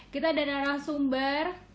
kita ada narasumber